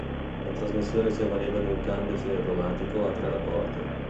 La trasmissione si avvaleva di un cambio semiautomatico a tre rapporti.